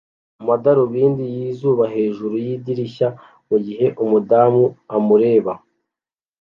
amadarubindi yizuba hejuru yidirishya mugihe umudamu amureba